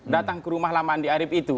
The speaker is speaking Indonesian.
datang ke rumah lama andi arief itu